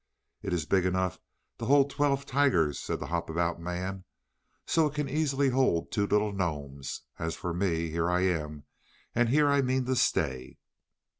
"It is big enough to hold twelve tigers," said the Hop about Man, "so it can easily hold two little gnomes. As for me, here I am, and here I mean to stay."